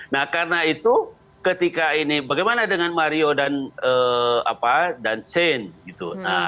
nah karena itu ketika ini bagaimana dengan mario dan shane gitu